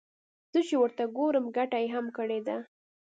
زه چې ورته ګورم ګټه يې هم کړې ده.